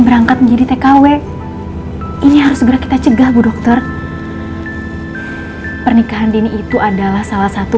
berangkat menjadi tkw ini harus segera kita cegah bu dokter pernikahan dini itu adalah salah satu